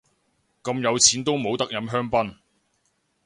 咁有錢都冇得飲香檳